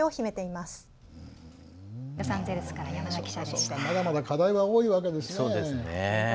まだまだ課題は重いわけですね。